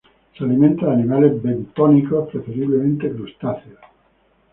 Se alimenta de animales bentónicos, preferiblemente crustáceos.